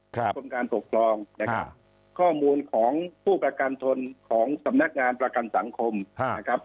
ครับข้อมูลของผู้ประกันทนของสำนักงานประกันสังคมครับ